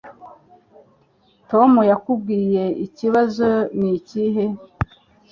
Tom yakubwiye ikibazo nikihe?